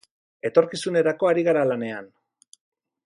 Etorkizunerako ari gara lanean.